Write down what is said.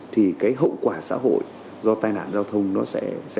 thì cái hậu quả xã hội do tai nạn giao thông nó sẽ